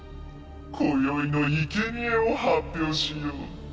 こよいのいけにえを発表しよう。